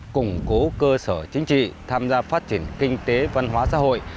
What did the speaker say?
củng cố cơ sở chính trị tham gia phát triển kinh tế văn hóa xã hội